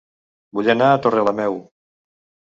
Vull anar a Torrelameu